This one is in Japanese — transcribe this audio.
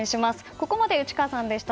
ここまで内川さんでした。